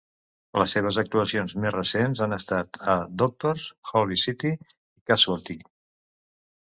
Les seves actuacions més recents han estat a "Doctors", "Holby City" i "Casualty".